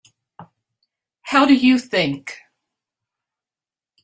How do you think?